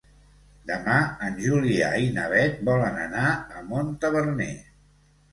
Demà en Julià i na Beth volen anar a Montaverner.